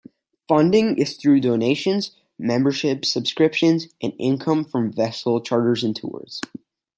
Funding is through donations, membership subscriptions and income from vessel charters and tours.